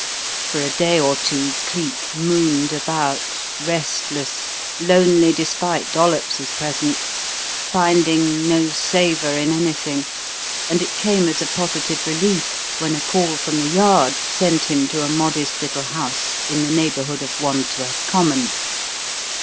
For a day or two, Cleek "mooned" about restless, lonely despite Dollops's presence, finding no savour in anything; and it came as a positive relief when a call from The Yard sent him to a modest little house in the neighbourhood of Wandsworth Common.